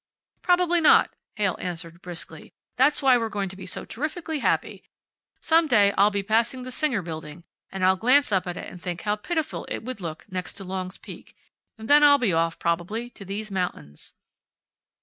"Probably not," Heyl answered, briskly. "That's why we're going to be so terrifically happy. Some day I'll be passing the Singer building, and I'll glance up at it and think how pitiful it would look next to Long's Peak. And then I'll be off, probably, to these mountains."